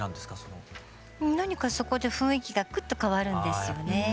何かそこで雰囲気がくっと変わるんですよね。